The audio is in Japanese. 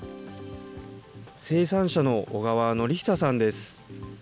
生産者の小川範久さんです。